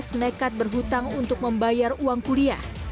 nekat berhutang untuk membayar uang kuliah